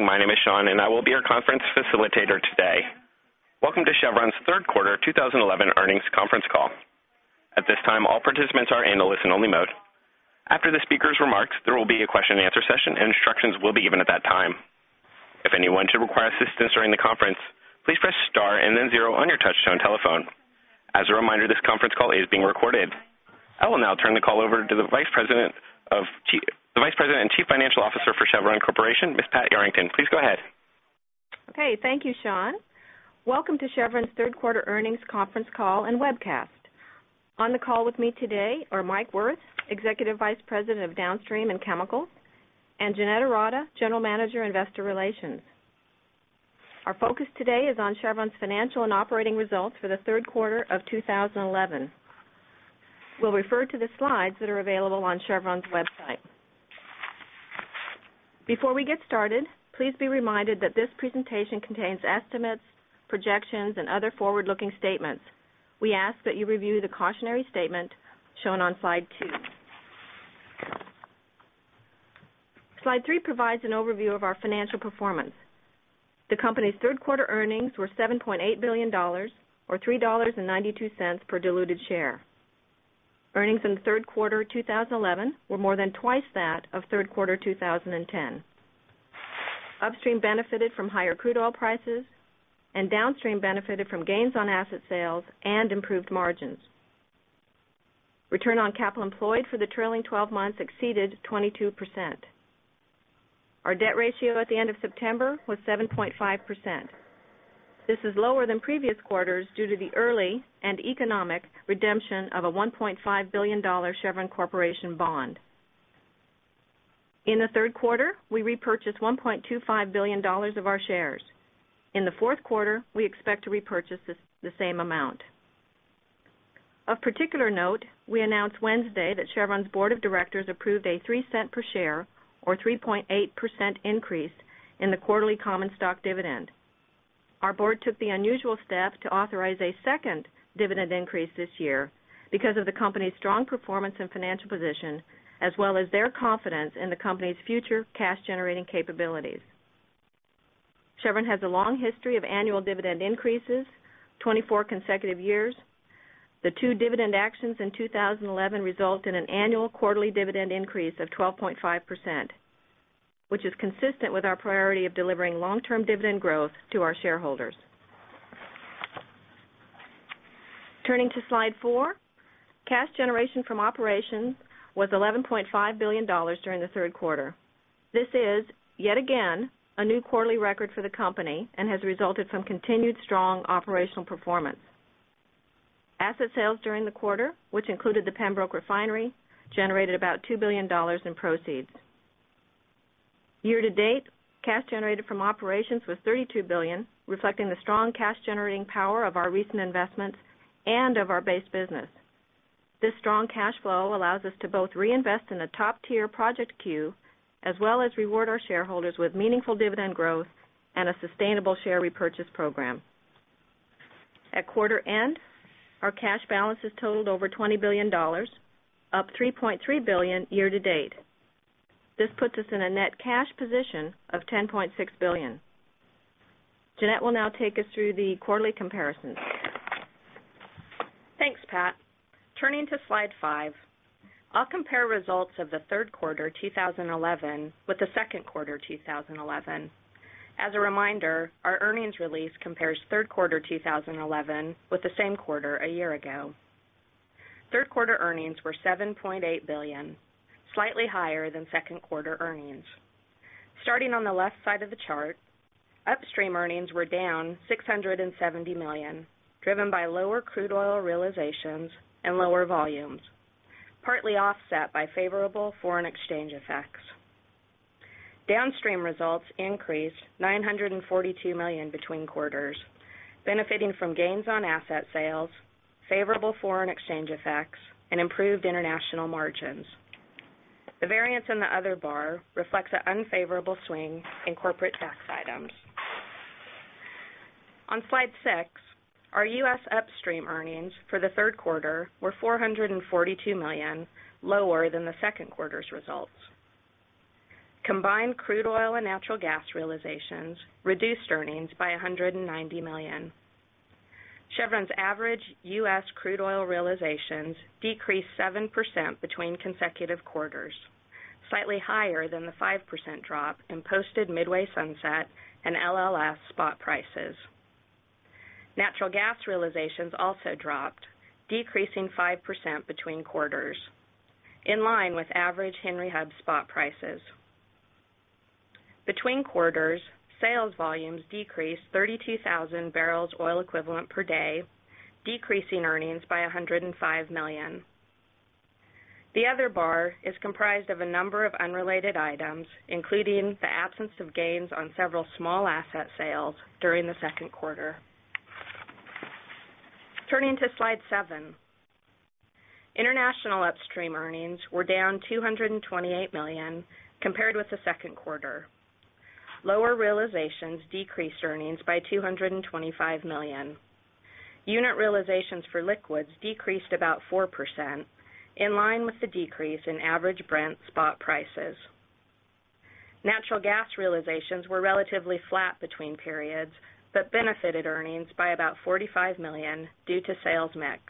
My name is Sean, and I will be your conference facilitator today. Welcome to Chevron Third Quarter 2011 Earnings Conference Call. At this time, all participants are in a listen-only mode. After the speaker's remarks, there will be a question-and-answer session, and instructions will be given at that time. If anyone should require assistance during the conference, please press star and then zero on your touch-tone telephone. As a reminder, this conference call is being recorded. I will now turn the call over to the Vice President and Chief Financial Officer for Chevron Corporation, Pat Yarrington. Please go ahead. Okay, thank you, Sean. Welcome to Chevron Third Quarter Earnings Conference Call and Webcast. On the call with me today are Mike Wirth, Executive Vice President, Downstream and Chemical, and Jeanette Ourada, General Manager, Investor Relations. Our focus today is on Chevron Financial and Operating Results for the third quarter of 2011. We'll refer to the slides that are available on Chevron website. Before we get started, please be reminded that this presentation contains estimates, projections, and other forward-looking statements. We ask that you review the cautionary statement shown on slide two. Slide three provides an overview of our financial performance. The company's third quarter earnings were $7.8 billion, or $3.92 per diluted share. Earnings in the third quarter of 2011 were more than twice that of third quarter 2010. Upstream benefited from higher crude oil prices, and downstream benefited from gains on asset sales and improved margins. Return on capital employed for the trailing 12 months exceeded 22%. Our debt ratio at the end of September was 7.5%. This is lower than previous quarters due to the early and economic redemption of a $1.5 billion Chevron Corporation bond. In the third quarter, we repurchased $1.25 billion of our shares. In the fourth quarter, we expect to repurchase the same amount. Of particular note, we announced Wednesday that Chevron board of directors approved a $0.03 per share, or 3.8% increase, in the quarterly common stock dividend. Our board took the unusual step to authorize a second dividend increase this year because of the company's strong performance and financial position, as well as their confidence in the company's future cash-generating capabilities. Chevron Corporation has a long history of annual dividend increases, 24 consecutive years. The two dividend actions in 2011 result in an annual quarterly dividend increase of 12.5%, which is consistent with our priority of delivering long-term dividend growth to our shareholders. Turning to slide four, cash generation from operations was $11.5 billion during the third quarter. This is, yet again, a new quarterly record for the company and has resulted from continued strong operational performance. Asset sales during the quarter, which included the Pembroke Refinery, generated about $2 billion in proceeds. Year to date, cash generated from operations was $32 billion, reflecting the strong cash-generating power of our recent investments and of our base business. This strong cash flow allows us to both reinvest in the top-tier project queue, as well as reward our shareholders with meaningful dividend growth and a sustainable share repurchase program. At quarter end, our cash balances totaled over $20 billion, up $3.3 billion year to date. This puts us in a net cash position of $10.6 billion. Jeanette will now take us through the quarterly comparison. Thanks, Pat. Turning to slide five, I'll compare results of the third quarter 2011 with the second quarter 2011. As a reminder, our earnings release compares third quarter 2011 with the same quarter a year ago. Third quarter earnings were $7.8 billion, slightly higher than second quarter earnings. Starting on the left side of the chart, upstream earnings were down $670 million, driven by lower crude oil realizations and lower volumes, partly offset by favorable foreign exchange effects. Downstream results increased $942 million between quarters, benefiting from gains on asset sales, favorable foreign exchange effects, and improved international margins. The variance in the other bar reflects an unfavorable swing in corporate tax items. On slide six, our U.S. upstream earnings for the third quarter were $442 million, lower than the second quarter's results. Combined crude oil and natural gas realizations reduced earnings by $190 million. Chevron's average U.S. crude oil realizations decreased 7% between consecutive quarters, slightly higher than the 5% drop in posted Midway Sunset and LLS spot prices. Natural gas realizations also dropped, decreasing 5% between quarters, in line with average Henry Hub spot prices. Between quarters, sales volumes decreased 32,000 bbl oil equivalent per day, decreasing earnings by $105 million. The other bar is comprised of a number of unrelated items, including the absence of gains on several small asset sales during the second quarter. Turning to slide seven, international upstream earnings were down $228 million, compared with the second quarter. Lower realizations decreased earnings by $225 million. Unit realizations for liquids decreased about 4%, in line with the decrease in average Brent spot prices. Natural gas realizations were relatively flat between periods, but benefited earnings by about $45 million due to sales mix.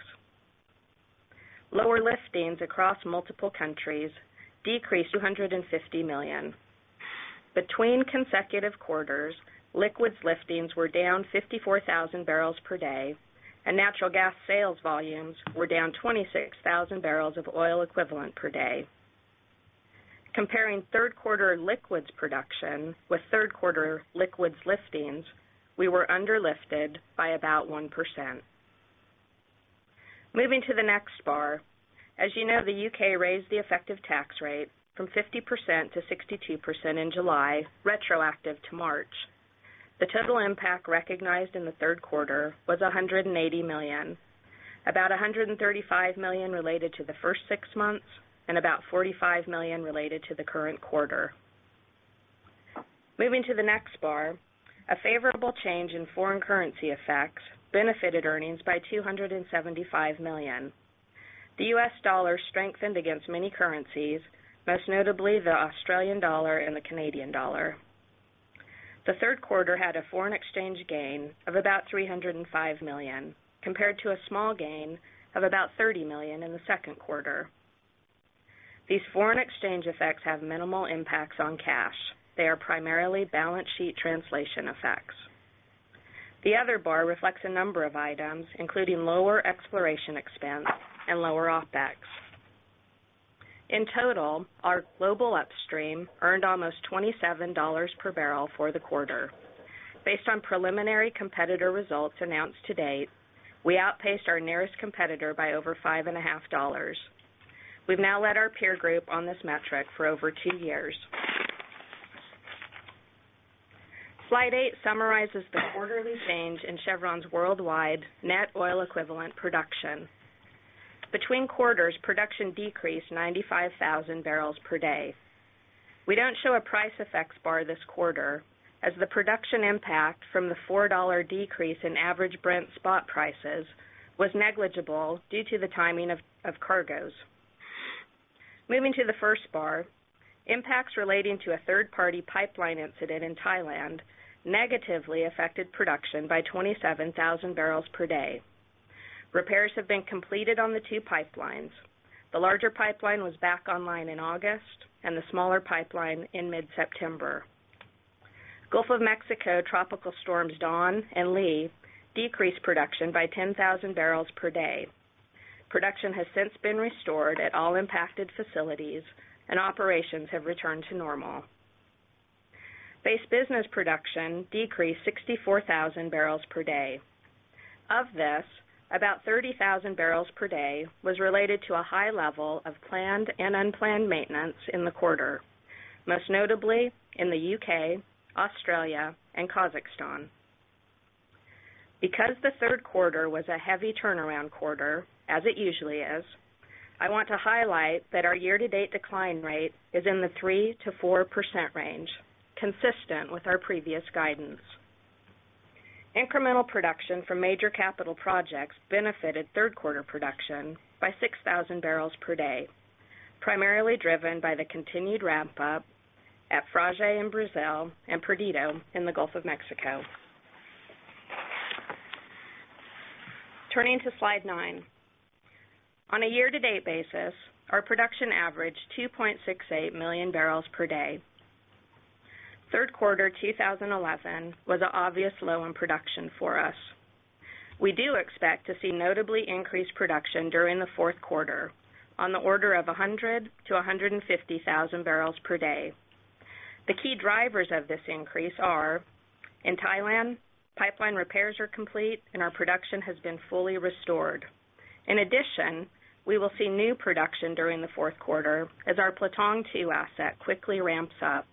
Lower liftings across multiple countries decreased $250 million. Between consecutive quarters, liquids liftings were down 54,000 bbl per day, and natural gas sales volumes were down 26,000 bbl of oil equivalent per day. Comparing third quarter liquids production with third quarter liquids liftings, we were underlifted by about 1%. Moving to the next bar, as you know, the U.K. raised the effective tax rate from 50% - 62% in July, retroactive to March. The total impact recognized in the third quarter was $180 million, about $135 million related to the first six months, and about $45 million related to the current quarter. Moving to the next bar, a favorable change in foreign currency effects benefited earnings by $275 million. The U.S. dollar strengthened against many currencies, most notably the Australian dollar and the Canadian dollar. The third quarter had a foreign exchange gain of about $305 million, compared to a small gain of about $30 million in the second quarter. These foreign exchange effects have minimal impacts on cash. They are primarily balance sheet translation effects. The other bar reflects a number of items, including lower exploration expense and lower OpEx. In total, our global upstream earned almost $27 per barrel for the quarter. Based on preliminary competitor results announced to date, we outpaced our nearest competitor by over $5.5. We've now led our peer group on this metric for over two years. Slide eight summarizes the quarterly change in Chevron's worldwide net oil equivalent production. Between quarters, production decreased 95,000 bbl per day. We don't show a price effects bar this quarter, as the production impact from the $4 decrease in average Brent spot prices was negligible due to the timing of cargoes. Moving to the first bar, impacts relating to a third-party pipeline incident in Thailand negatively affected production by 27,000 bbl per day. Repairs have been completed on the two pipelines. The larger pipeline was back online in August, and the smaller pipeline in mid-September. Gulf of Mexico tropical storms Dawn and Lee decreased production by 10,000 bbl per day. Production has since been restored at all impacted facilities, and operations have returned to normal. Base business production decreased 64,000 bbl per day. Of this, about 30,000 bbl per day was related to a high level of planned and unplanned maintenance in the quarter, most notably in the U.K., Australia, and Kazakhstan. Because the third quarter was a heavy turnaround quarter, as it usually is, I want to highlight that our year-to-date decline rate is in the 3% - 4% range, consistent with our previous guidance. Incremental production from major capital projects benefited third quarter production by 6,000 bbl per day, primarily driven by the continued ramp-up at Frade in Brazil and Perdido in the Gulf of Mexico. Turning to slide nine, on a year-to-date basis, our production averaged 2.68 million bbl per day. Third quarter 2011 was an obvious low in production for us. We do expect to see notably increased production during the fourth quarter, on the order of 100,000 bbl - 150,000 bbl per day. The key drivers of this increase are, in Thailand, pipeline repairs are complete, and our production has been fully restored. In addition, we will see new production during the fourth quarter as our Plateau II asset quickly ramps up.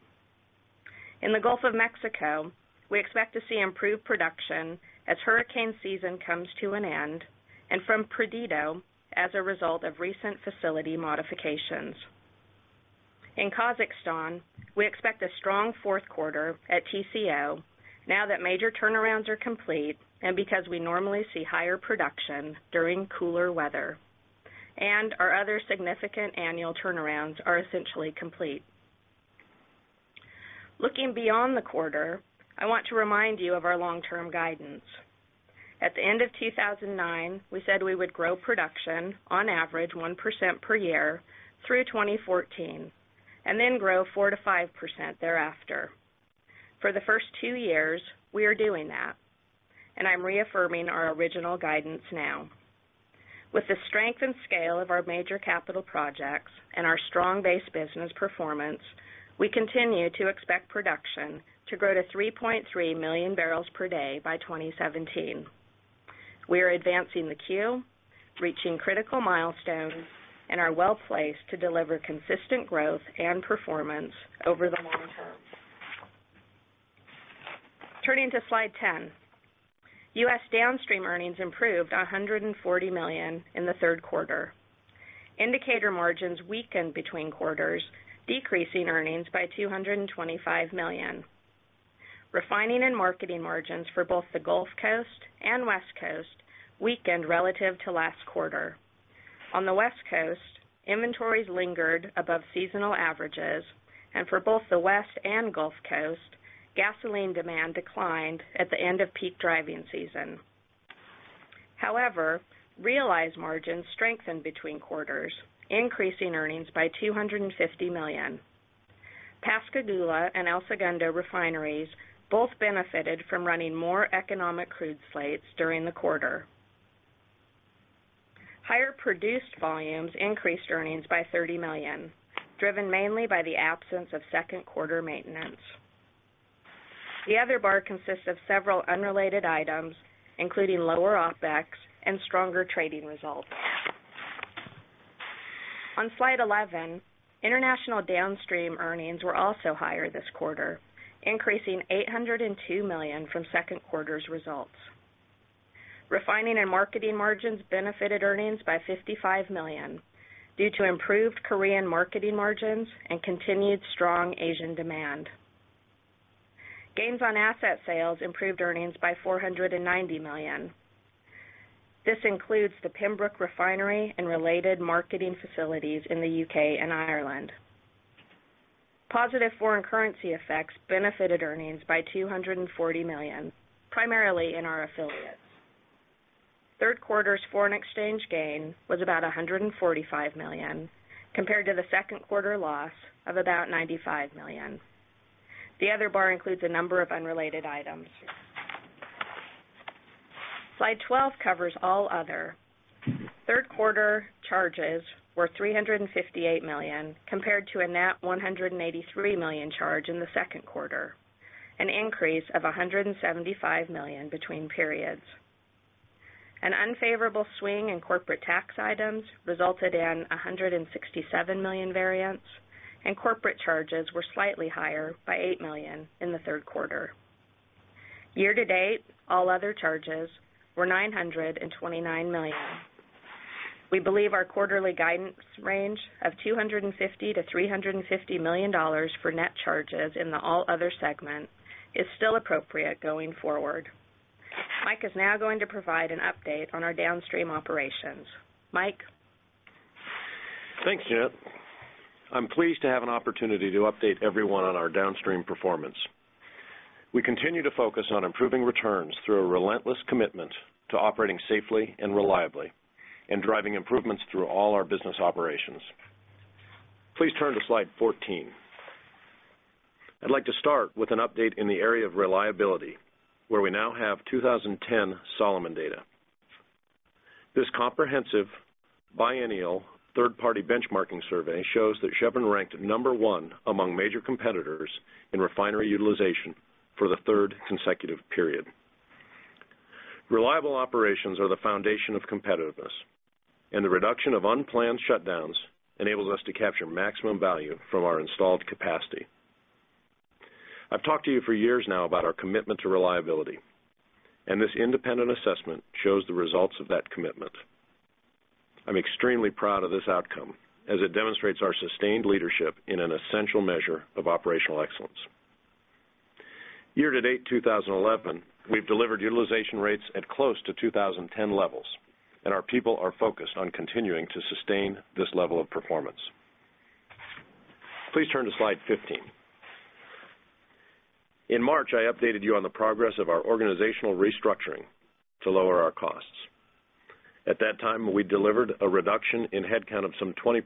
In the Gulf of Mexico, we expect to see improved production as hurricane season comes to an end, and from Perdido as a result of recent facility modifications. In Kazakhstan, we expect a strong fourth quarter at TCO, now that major turnarounds are complete, and because we normally see higher production during cooler weather, and our other significant annual turnarounds are essentially complete. Looking beyond the quarter, I want to remind you of our long-term guidance. At the end of 2009, we said we would grow production on average 1% per year through 2014, and then grow 4% - 5% thereafter. For the first two years, we are doing that, and I'm reaffirming our original guidance now. With the strength and scale of our major capital projects and our strong base business performance, we continue to expect production to grow to 3.3 million bbl per day by 2017. We are advancing the queue, reaching critical milestones, and are well placed to deliver consistent growth and performance over the long term. Turning to slide 10, U.S. downstream earnings improved $140 million in the third quarter. Indicator margins weakened between quarters, decreasing earnings by $225 million. Refining and marketing margins for both the Gulf Coast and West Coast weakened relative to last quarter. On the West Coast, inventories lingered above seasonal averages, and for both the West and Gulf Coast, gasoline demand declined at the end of peak driving season. However, realized margins strengthened between quarters, increasing earnings by $250 million. Pascagoula and El Segundo refineries both benefited from running more economic crude slates during the quarter. Higher produced volumes increased earnings by $30 million, driven mainly by the absence of second quarter maintenance. The other bar consists of several unrelated items, including lower OpEx and stronger trading results. On slide 11, international downstream earnings were also higher this quarter, increasing $802 million from second quarter's results. Refining and marketing margins benefited earnings by $55 million due to improved Korean marketing margins and continued strong Asian demand. Gains on asset sales improved earnings by $490 million. This includes the Pembroke Refinery and related marketing facilities in the U.K. and Ireland. Positive foreign currency effects benefited earnings by $240 million, primarily in our affiliates. Third quarter's foreign exchange gain was about $145 million, compared to the second quarter loss of about $95 million. The other bar includes a number of unrelated items. Slide 12 covers all other. Third quarter charges were $358 million, compared to a net $183 million charge in the second quarter, an increase of $175 million between periods. An unfavorable swing in corporate tax items resulted in $167 million variance, and corporate charges were slightly higher by $8 million in the third quarter. Year to date, all other charges were $929 million. We believe our quarterly guidance range of $250 million - $350 million for net charges in the all other segment is still appropriate going forward. Mike is now going to provide an update on our downstream operations. Mike. Thanks, Jeanette. I'm pleased to have an opportunity to update everyone on our downstream performance. We continue to focus on improving returns through a relentless commitment to operating safely and reliably, and driving improvements through all our business operations. Please turn to slide 14. I'd like to start with an update in the area of reliability, where we now have 2010 Solomon data. This comprehensive biennial third-party benchmarking survey shows that Chevron ranked number one among major competitors in refinery utilization for the third consecutive period. Reliable operations are the foundation of competitiveness, and the reduction of unplanned shutdowns enables us to capture maximum value from our installed capacity. I've talked to you for years now about our commitment to reliability, and this independent assessment shows the results of that commitment. I'm extremely proud of this outcome, as it demonstrates our sustained leadership in an essential measure of operational excellence. Year to date, 2011, we've delivered utilization rates at close to 2010 levels, and our people are focused on continuing to sustain this level of performance. Please turn to slide 15. In March, I updated you on the progress of our organizational restructuring to lower our costs. At that time, we delivered a reduction in headcount of some 20%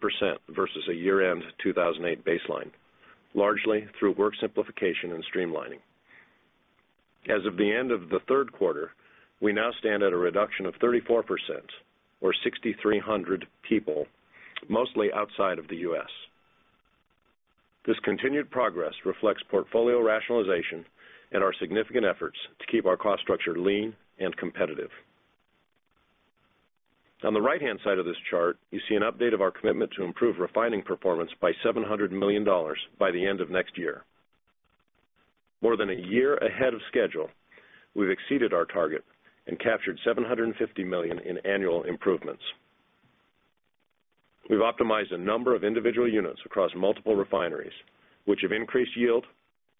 versus a year-end 2008 baseline, largely through work simplification and streamlining. As of the end of the third quarter, we now stand at a reduction of 34%, or 6,300 people, mostly outside of the U.S. This continued progress reflects portfolio rationalization and our significant efforts to keep our cost structure lean and competitive. On the right-hand side of this chart, you see an update of our commitment to improve refining performance by $700 million by the end of next year. More than a year ahead of schedule, we've exceeded our target and captured $750 million in annual improvements. We've optimized a number of individual units across multiple refineries, which have increased yield,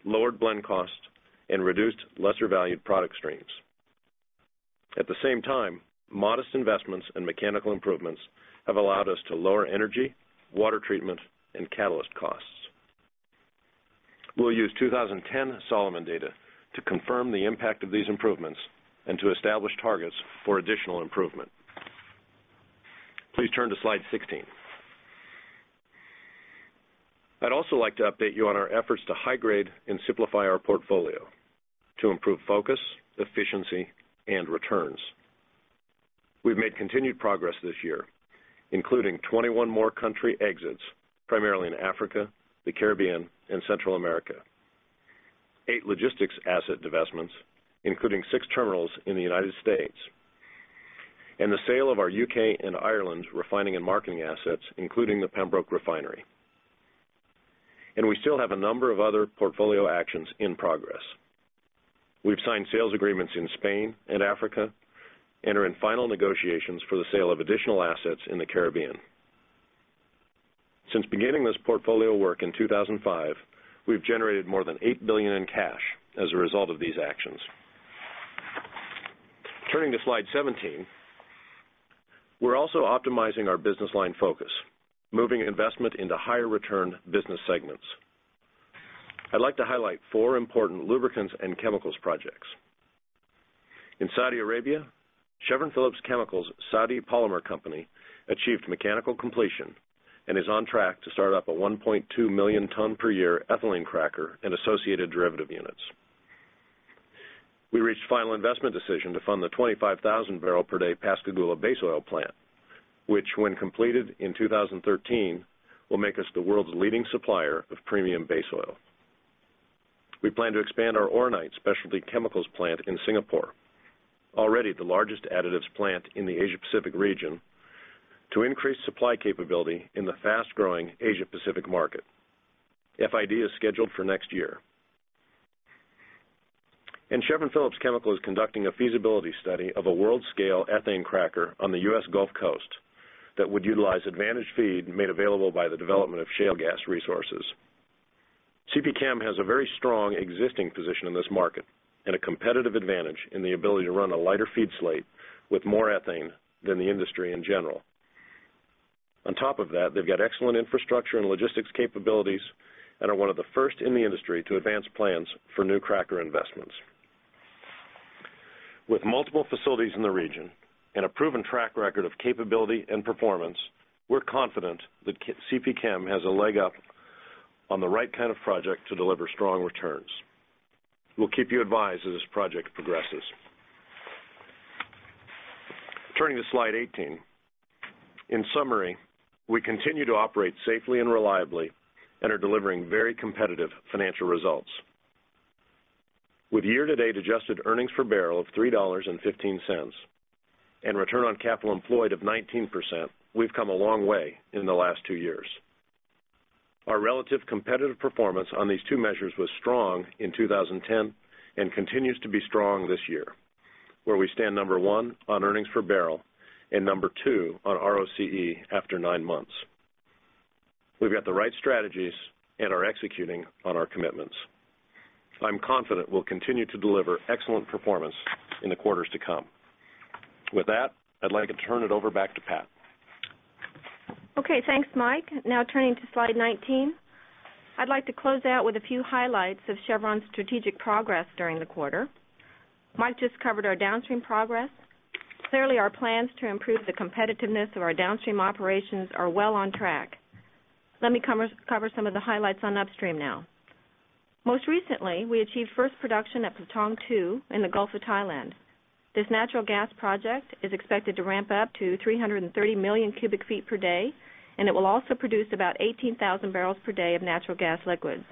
lowered blend costs, and reduced lesser-valued product streams. At the same time, modest investments and mechanical improvements have allowed us to lower energy, water treatment, and catalyst costs. We'll use 2010 Solomon data to confirm the impact of these improvements and to establish targets for additional improvement. Please turn to slide 16. I'd also like to update you on our efforts to high grade and simplify our portfolio to improve focus, efficiency, and returns. We've made continued progress this year, including 21 more country exits, primarily in Africa, the Caribbean, and Central America, eight logistics asset divestments, including six terminals in the United States, and the sale of our UK and Ireland refining and marketing assets, including the Pembroke Refinery. We still have a number of other portfolio actions in progress. We've signed sales agreements in Spain and Africa and are in final negotiations for the sale of additional assets in the Caribbean. Since beginning this portfolio work in 2005, we've generated more than $8 billion in cash as a result of these actions. Turning to slide 17, we're also optimizing our business line focus, moving investment into higher-return business segments. I'd like to highlight four important lubricants and chemicals projects. In Saudi Arabia, Chevron Phillips Chemical's Saudi Polymer Company achieved mechanical completion and is on track to start up a 1.2 million-ton per year ethylene cracker and associated derivative units. We reached final investment decision to fund the 25,000 bbl per day Pascagoula base oil plant, which, when completed in 2013, will make us the world's leading supplier of premium base oil. We plan to expand our Oronite specialty chemicals plant in Singapore, already the largest additives plant in the Asia-Pacific region, to increase supply capability in the fast-growing Asia-Pacific market. FID is scheduled for next year. Chevron Phillips Chemical is conducting a feasibility study of a world-scale ethane cracker on the U.S. Gulf Coast that would utilize advantaged feed made available by the development of shale gas resources. CPChem has a very strong existing position in this market and a competitive advantage in the ability to run a lighter feed slate with more ethane than the industry in general. On top of that, they've got excellent infrastructure and logistics capabilities and are one of the first in the industry to advance plans for new cracker investments. With multiple facilities in the region and a proven track record of capability and performance, we're confident that CPChem has a leg up on the right kind of project to deliver strong returns. We'll keep you advised as this project progresses. Turning to slide 18, in summary, we continue to operate safely and reliably and are delivering very competitive financial results. With year-to-date adjusted earnings per barrel of $3.15 and return on capital employed of 19%, we've come a long way in the last two years. Our relative competitive performance on these two measures was strong in 2010 and continues to be strong this year, where we stand number one on earnings per barrel and number two on ROCE after nine months. We've got the right strategies and are executing on our commitments. I'm confident we'll continue to deliver excellent performance in the quarters to come. With that, I'd like to turn it over back to Pat. Okay, thanks, Mike. Now turning to slide 19, I'd like to close out with a few highlights of Chevron's strategic progress during the quarter. Mike just covered our downstream progress. Clearly, our plans to improve the competitiveness of our downstream operations are well on track. Let me cover some of the highlights on upstream now. Most recently, we achieved first production at Plateau II in the Gulf of Thailand. This natural gas project is expected to ramp up to 330 million cu ft per day, and it will also produce about 18,000 bbl per day of natural gas liquids.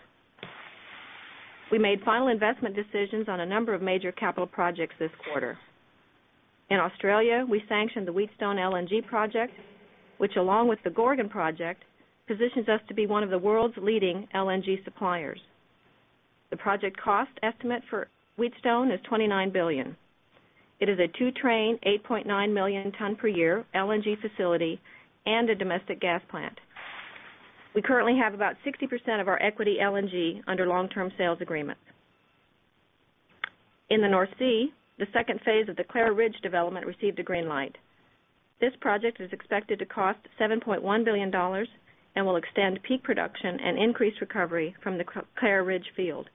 We made final investment decisions on a number of major capital projects this quarter. In Australia, we sanctioned the Wheatstone LNG project, which, along with the Gorgon project, positions us to be one of the world's leading LNG suppliers. The project cost estimate for Wheatstone is $29 billion. It is a two-train, 8.9 million-ton per year LNG facility and a domestic gas plant. We currently have about 60% of our equity LNG under long-term sales agreements. In the North Sea, the second phase of the Clair Ridge development received a green light. This project is expected to cost $7.1 billion and will extend peak production and increase recovery from the Clair Ridge field.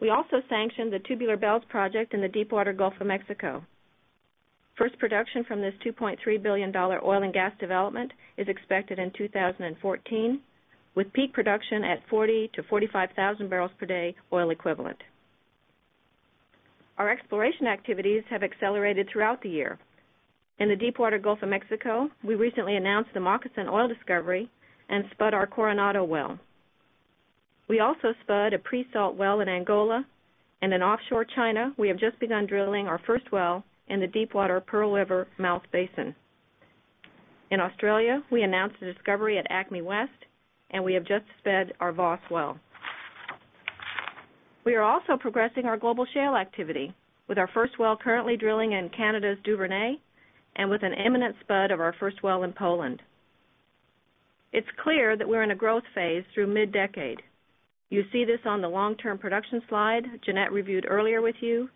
We also sanctioned the Tubular Bells project in the Deepwater Gulf of Mexico. First production from this $2.3 billion oil and gas development is expected in 2014, with peak production at 40,000 bbl - 45,000 bbl per day oil equivalent. Our exploration activities have accelerated throughout the year. In the Deepwater Gulf of Mexico, we recently announced the Moccasin oil discovery and spud our Coronado well. We also spud a pre-salt well in Angola, and in offshore China, we have just begun drilling our first well in the Deepwater Pearl River mouth basin. In Australia, we announced a discovery at Acme West, and we have just spud our Voss well. We are also progressing our global shale activity, with our first well currently drilling in Canada's Duvernay shale and with an imminent spud of our first well in Poland. It's clear that we're in a growth phase through mid-decade. You see this on the long-term production slide Jeanette reviewed earlier with you,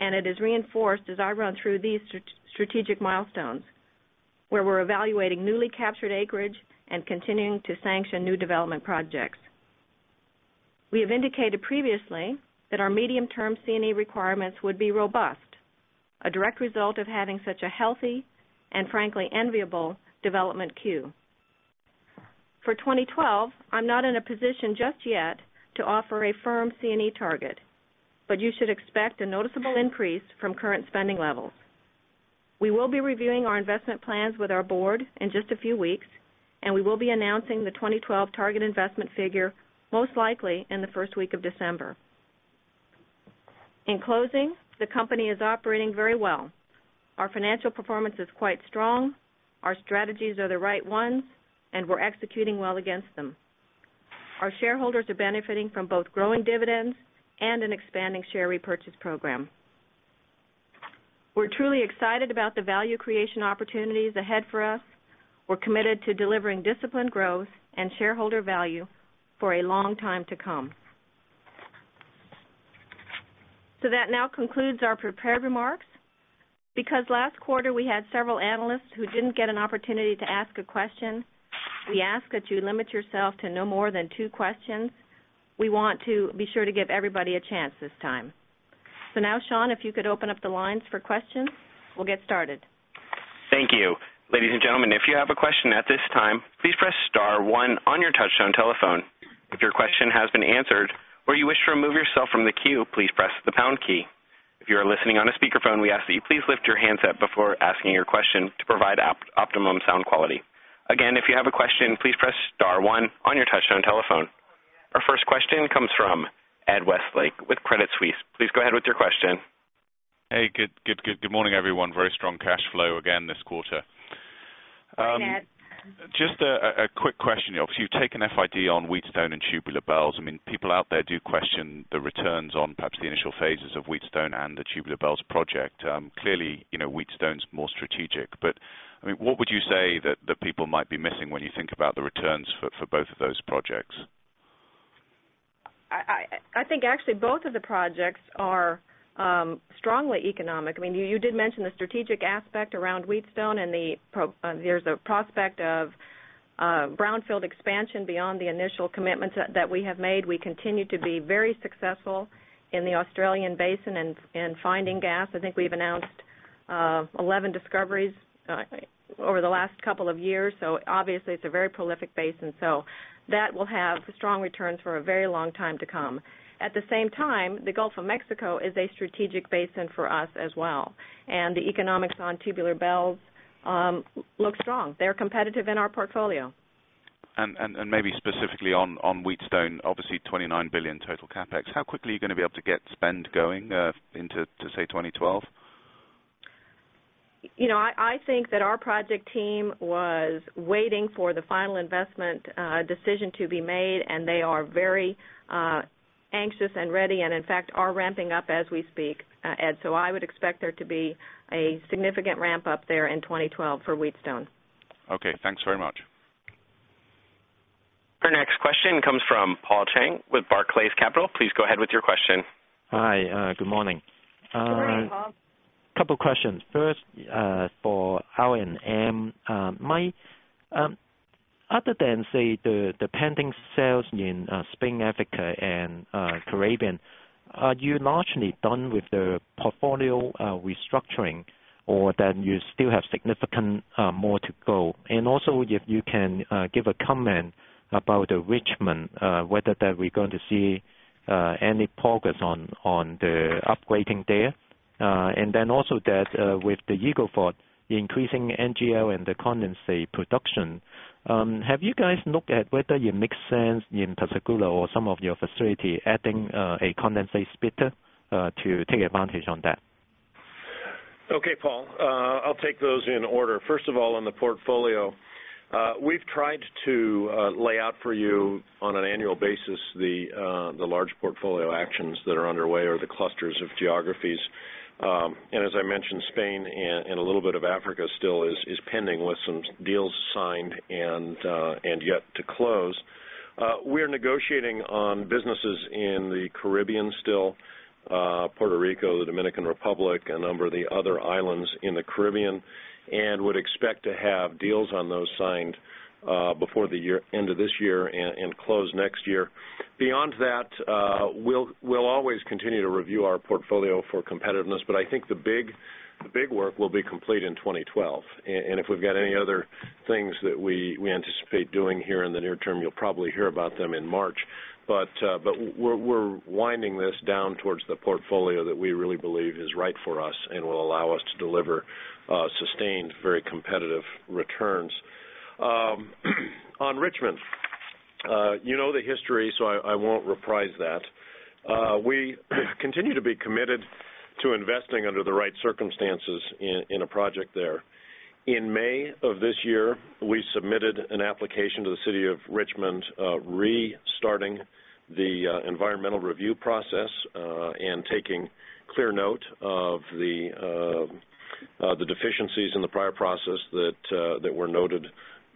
and it is reinforced as I run through these strategic milestones, where we're evaluating newly captured acreage and continuing to sanction new development projects. We have indicated previously that our medium-term CapEx requirements would be robust, a direct result of having such a healthy and frankly enviable development queue. For 2012, I'm not in a position just yet to offer a firm CapEx target, but you should expect a noticeable increase from current spending levels. We will be reviewing our investment plans with our board in just a few weeks, and we will be announcing the 2012 target investment figure most likely in the first week of December. In closing, the company is operating very well. Our financial performance is quite strong, our strategies are the right ones, and we're executing well against them. Our shareholders are benefiting from both growing dividends and an expanding share repurchase program. We're truly excited about the value creation opportunities ahead for us. We're committed to delivering disciplined growth and shareholder value for a long time to come. That now concludes our prepared remarks. Because last quarter we had several analysts who didn't get an opportunity to ask a question, we ask that you limit yourself to no more than two questions. We want to be sure to give everybody a chance this time. Sean, if you could open up the lines for questions, we'll get started. Thank you. Ladies and gentlemen, if you have a question at this time, please press star one on your touch-tone telephone. If your question has been answered or you wish to remove yourself from the queue, please press the pound key. If you are listening on a speakerphone, we ask that you please lift your handset before asking your question to provide optimum sound quality. Again, if you have a question, please press star one on your touch-tone telephone. Our first question comes from Ed Westlake with Credit Suisse. Please go ahead with your question. Good morning, everyone. Very strong cash flow again this quarter. Just a quick question. Obviously, you've taken FID on Wheatstone and Tubular Bells. People out there do question the returns on perhaps the initial phases of Wheatstone and the Tubular Bells project. Clearly, you know, Wheatstone's more strategic, but what would you say that people might be missing when you think about the returns for both of those projects? I think actually both of the projects are strongly economic. You did mention the strategic aspect around Wheatstone, and there's a prospect of brownfield expansion beyond the initial commitments that we have made. We continue to be very successful in the Australian basin in finding gas. I think we've announced 11 discoveries over the last couple of years, so obviously it's a very prolific basin. That will have strong returns for a very long time to come. At the same time, the Gulf of Mexico is a strategic basin for us as well, and the economics on Tubular Bells look strong. They're competitive in our portfolio. Maybe specifically on Wheatstone, obviously $29 billion total CapEx. How quickly are you going to be able to get spend going into, say, 2012? I think that our project team was waiting for the final investment decision to be made, and they are very anxious and ready, and in fact, are ramping up as we speak, Ed. I would expect there to be a significant ramp-up there in 2012 for Wheatstone. Okay, thanks very much. Our next question comes from Paul Cheng with Barclays Capital. Please go ahead with your question. Hi, good morning. Good morning, Paul. A couple of questions. First, for Allen. Mike, other than, say, the pending sales in Spain, Africa, and Caribbean, are you largely done with the portfolio restructuring, or do you still have significant more to go? Also, if you can give a comment about Richmond, whether we're going to see any progress on the upgrading there, and with the Eagle Ford increasing NGL and the condensate production, have you guys looked at whether it makes sense in particular for some of your facility adding a condensate splitter to take advantage of that? Okay, Paul. I'll take those in order. First of all, on the portfolio, we've tried to lay out for you on an annual basis the large portfolio actions that are underway or the clusters of geographies. As I mentioned, Spain and a little bit of Africa still is pending with some deals signed and yet to close. We're negotiating on businesses in the Caribbean still, Puerto Rico, the Dominican Republic, and a number of the other islands in the Caribbean, and would expect to have deals on those signed before the end of this year and close next year. Beyond that, we'll always continue to review our portfolio for competitiveness, but I think the big work will be complete in 2012. If we've got any other things that we anticipate doing here in the near term, you'll probably hear about them in March. We're winding this down towards the portfolio that we really believe is right for us and will allow us to deliver sustained, very competitive returns. On Richmond, you know the history, so I won't reprise that. We continue to be committed to investing under the right circumstances in a project there. In May of this year, we submitted an application to the City of Richmond, restarting the environmental review process and taking clear note of the deficiencies in the prior process that were noted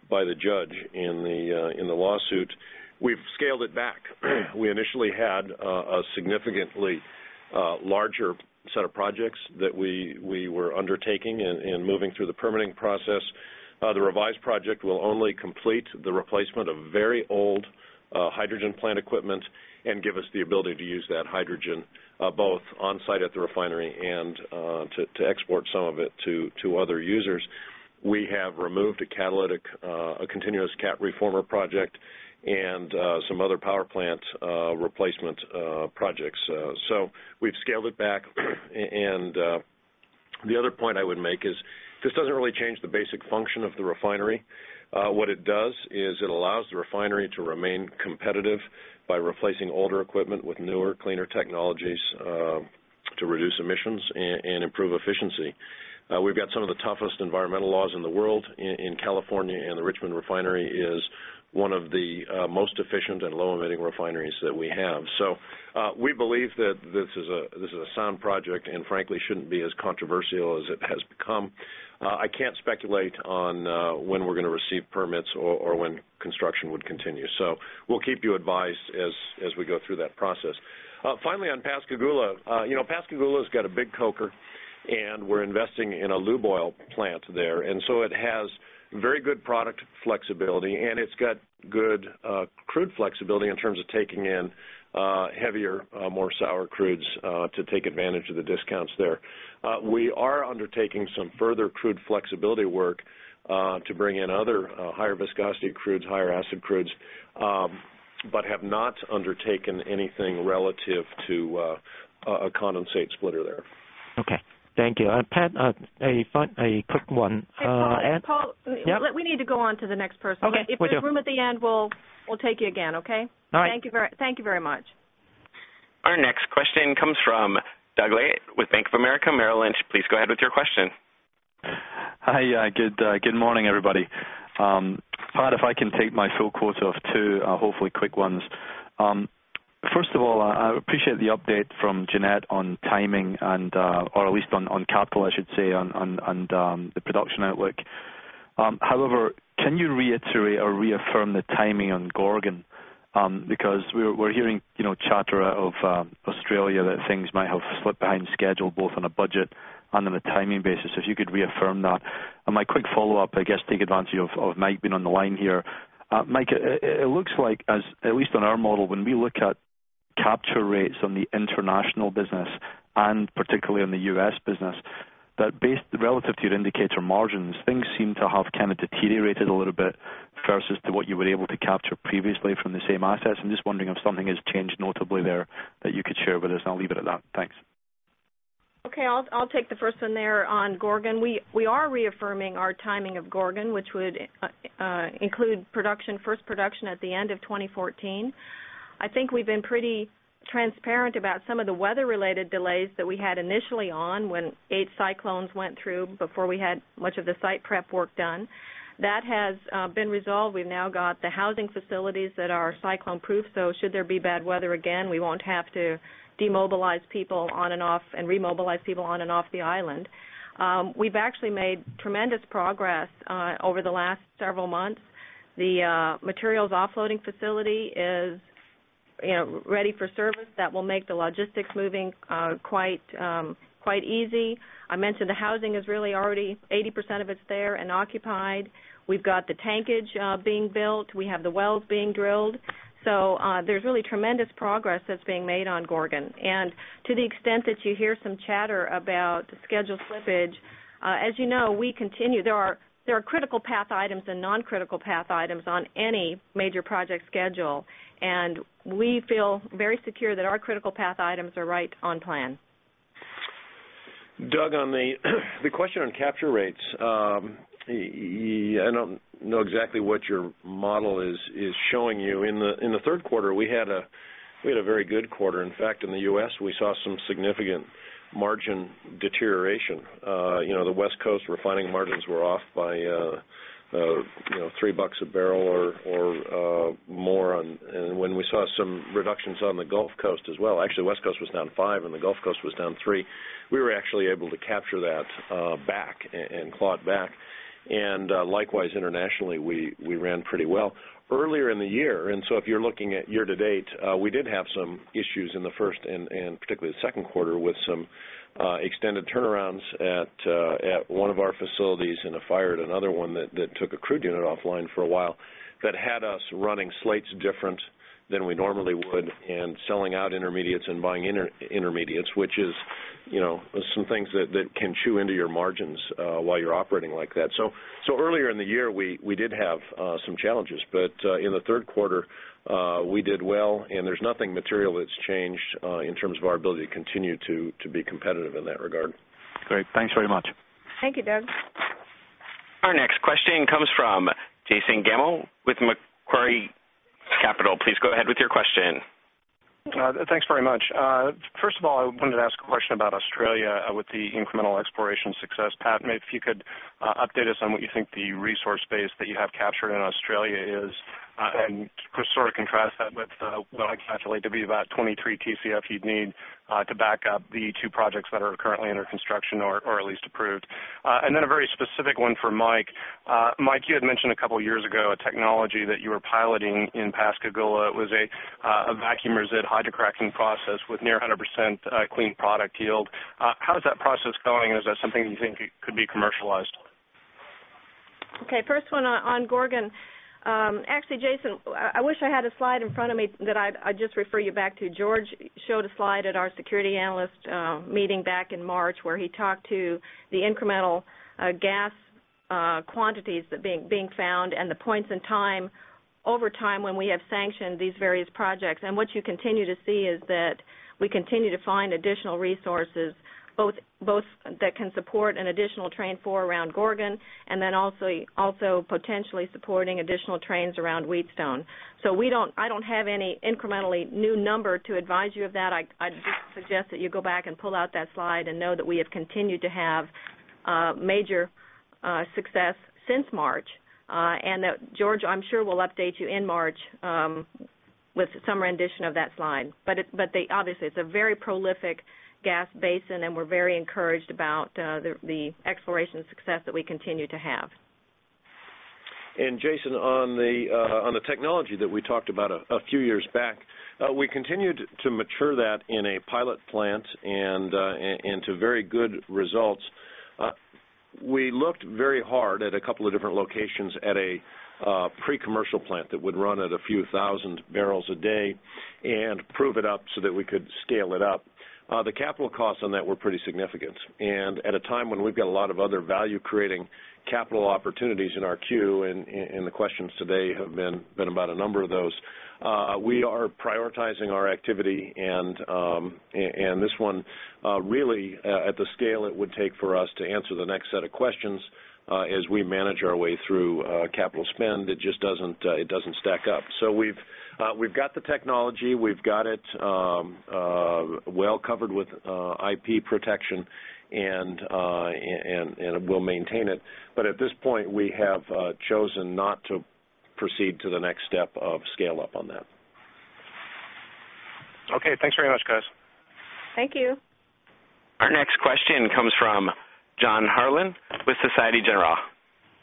by the judge in the lawsuit. We've scaled it back. We initially had a significantly larger set of projects that we were undertaking and moving through the permitting process. The revised project will only complete the replacement of very old hydrogen plant equipment and give us the ability to use that hydrogen both on-site at the refinery and to export some of it to other users. We have removed a catalytic, a continuous CAT reformer project and some other power plant replacement projects. We've scaled it back. The other point I would make is this doesn't really change the basic function of the refinery. What it does is it allows the refinery to remain competitive by replacing older equipment with newer, cleaner technologies to reduce emissions and improve efficiency. We've got some of the toughest environmental laws in the world. In California, the Richmond Refinery is one of the most efficient and low-emitting refineries that we have. We believe that this is a sound project and frankly shouldn't be as controversial as it has become. I can't speculate on when we're going to receive permits or when construction would continue. We will keep you advised as we go through that process. Finally, on Pascagoula, you know, Pascagoula's got a big coker, and we're investing in a lube oil plant there. It has very good product flexibility, and it's got good crude flexibility in terms of taking in heavier, more sour crudes to take advantage of the discounts there. We are undertaking some further crude flexibility work to bring in other higher viscosity crudes, higher acid crudes, but have not undertaken anything relative to a condensate splitter there. Okay, thank you. Pat, a quick one. Paul, we need to go on to the next person. If you have room at the end, we'll take you again, okay? All right. Thank you very much. Our next question comes from Doug Leggate with Bank of America Merrill Lynch. Please go ahead with your question. Hi, good morning, everybody. Pat, if I can take my full quarter of two, hopefully quick ones. First of all, I appreciate the update from Jeanette on timing, or at least on capital, I should say, and the production outlook. However, can you reiterate or reaffirm the timing on Gorgon? Because we're hearing chatter out of Australia that things might have slipped behind schedule, both on a budget and on a timing basis. If you could reaffirm that. My quick follow-up, I guess, take advantage of Mike being on the line here. Mike, it looks like, at least on our model, when we look at capture rates on the international business and particularly on the U.S. business, that based relative to your indicator margins, things seem to have kind of deteriorated a little bit versus what you were able to capture previously from the same assets. I'm just wondering if something has changed notably there that you could share with us, and I'll leave it at that. Thanks. Okay, I'll take the first one there on Gorgon. We are reaffirming our timing of Gorgon, which would include production, first production at the end of 2014. I think we've been pretty transparent about some of the weather-related delays that we had initially when eight cyclones went through before we had much of the site prep work done. That has been resolved. We've now got the housing facilities that are cyclone-proof, so should there be bad weather again, we won't have to demobilize people on and off and remobilize people on and off the island. We've actually made tremendous progress over the last several months. The materials offloading facility is ready for service. That will make the logistics moving quite easy. I mentioned the housing is really already 80% of it's there and occupied. We've got the tankage being built. We have the wells being drilled. There's really tremendous progress that's being made on Gorgon. To the extent that you hear some chatter about schedule slippage, as you know, we continue. There are critical path items and non-critical path items on any major project schedule, and we feel very secure that our critical path items are right on plan. Doug, on the question on capture rates, I don't know exactly what your model is showing you. In the third quarter, we had a very good quarter. In fact, in the U.S., we saw some significant margin deterioration. The West Coast refining margins were off by, you know, $3 a barrel or more. We saw some reductions on the Gulf Coast as well. Actually, the West Coast was down $5 and the Gulf Coast was down $3. We were actually able to capture that back and claw it back. Likewise, internationally, we ran pretty well earlier in the year. If you're looking at year to date, we did have some issues in the first and particularly the second quarter with some extended turnarounds at one of our facilities and a fire at another one that took a crude unit offline for a while that had us running slates different than we normally would and selling out intermediates and buying intermediates, which is, you know, some things that can chew into your margins while you're operating like that. Earlier in the year, we did have some challenges, but in the third quarter, we did well, and there's nothing material that's changed in terms of our ability to continue to be competitive in that regard. Great, thanks very much. Thank you, Doug. Our next question comes from Jason Gammel with Macquarie Capital. Please go ahead with your question. Thanks very much. First of all, I wanted to ask a question about Australia with the incremental exploration success. Pat, maybe if you could update us on what you think the resource base that you have captured in Australia is, and sort of contrast that with what I calculate to be about 23 TCF you'd need to back up the two projects that are currently under construction or at least approved. A very specific one for Mike. Mike, you had mentioned a couple of years ago a technology that you were piloting in Pascagoula. It was a vacuum resid hydrocracking process with near 100% clean product yield. How is that process going, and is that something that you think could be commercialized? Okay, first one on Gorgon. Actually, Jason, I wish I had a slide in front of me that I'd just refer you back to. George showed a slide at our Security Analyst Meeting back in March where he talked to the incremental gas quantities being found and the points in time over time when we have sanctioned these various projects. What you continue to see is that we continue to find additional resources, both that can support an additional train for around Gorgon and also potentially supporting additional trains around Wheatstone. I don't have any incrementally new number to advise you of that. I just suggest that you go back and pull out that slide and know that we have continued to have major success since March. George, I'm sure, will update you in March with some rendition of that slide. Obviously, it's a very prolific gas basin, and we're very encouraged about the exploration success that we continue to have. Jason, on the technology that we talked about a few years back, we continued to mature that in a pilot plant to very good results. We looked very hard at a couple of different locations at a pre-commercial plant that would run at a few thousand barrels per day and prove it up so that we could scale it up. The capital costs on that were pretty significant. At a time when we've got a lot of other value-creating capital opportunities in our queue, and the questions today have been about a number of those, we are prioritizing our activity. This one, really, at the scale it would take for us to answer the next set of questions as we manage our way through capital spend, it just doesn't stack up. We've got the technology, we've got it well covered with IP protection, and we'll maintain it. At this point, we have chosen not to proceed to the next step of scale up on that. Okay, thanks very much, guys. Thank you. Our next question comes from John Herrlin with Société Générale.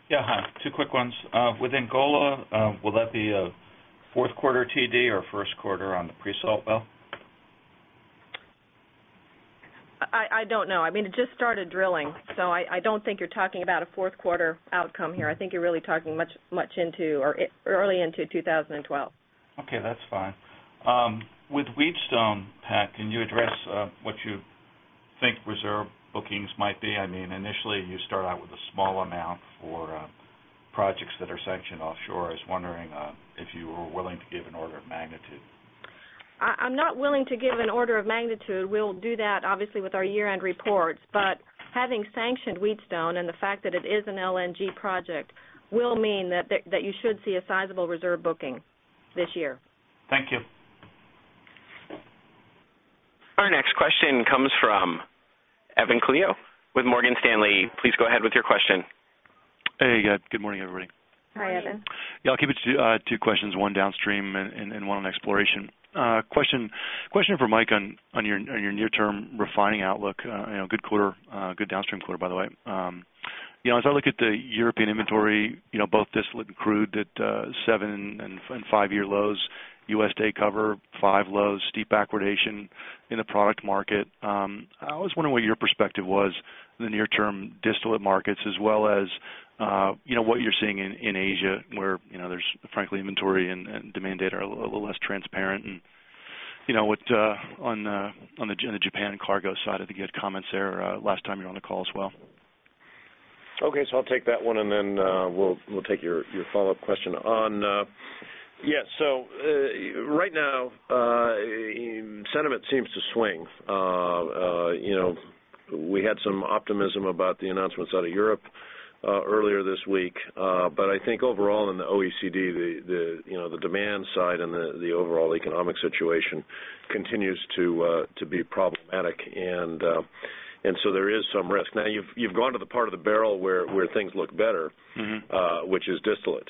Yeah, two quick ones. Within Angola, will that be a fourth quarter TD or first quarter on the pre-salt well? I don't know. I mean, it just started drilling, so I don't think you're talking about a fourth quarter outcome here. I think you're really talking much into or early into 2012. Okay, that's fine. With Wheatstone, Pat, can you address what you think reserve bookings might be? I mean, initially, you start out with a small amount for projects that are sanctioned offshore. I was wondering if you were willing to give an order of magnitude. I'm not willing to give an order of magnitude. We'll do that, obviously, with our year-end reports. Having sanctioned Wheatstone and the fact that it is an LNG project will mean that you should see a sizable reserve booking this year. Thank you. Our next question comes from Evan Calio with Morgan Stanley. Please go ahead with your question. Hey, good morning, everybody. Hi, Evan. Yeah, I'll keep it to two questions, one downstream and one on exploration. Question for Mike on your near-term refining outlook. Good quarter, good downstream quarter, by the way. As I look at the European inventory, both distillate and crude at seven and five-year lows, U.S. day cover, five lows, steep accreditation in the product market. I was wondering what your perspective was in the near-term distillate markets, as well as what you're seeing in Asia, where there's frankly inventory and demand data are a little less transparent. On the Japan cargo side, I think you had comments there last time you were on the call as well. Okay, I'll take that one, and then we'll take your follow-up question. Right now, sentiment seems to swing. We had some optimism about the announcements out of Europe earlier this week. I think overall in the OECD, the demand side and the overall economic situation continues to be problematic, and there is some risk. You've gone to the part of the barrel where things look better, which is distillate.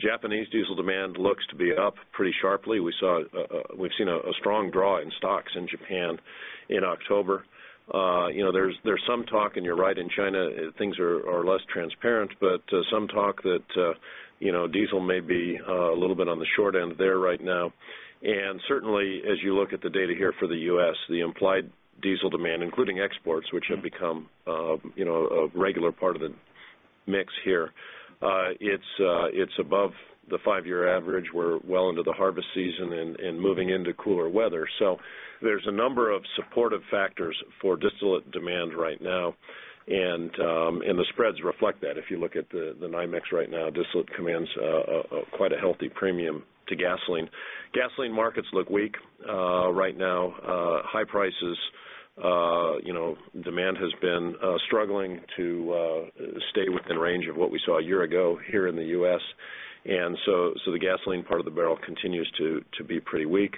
Japanese diesel demand looks to be up pretty sharply. We've seen a strong draw in stocks in Japan in October. There's some talk, and you're right, in China, things are less transparent, but some talk that diesel may be a little bit on the short end there right now. Certainly, as you look at the data here for the U.S., the implied diesel demand, including exports, which have become a regular part of the mix here, is above the five-year average. We're well into the harvest season and moving into cooler weather. There are a number of supportive factors for distillate demand right now, and the spreads reflect that. If you look at the NYMEX right now, distillate commands quite a healthy premium to gasoline. Gasoline markets look weak right now. High prices, demand has been struggling to stay within range of what we saw a year ago here in the U.S., and the gasoline part of the barrel continues to be pretty weak.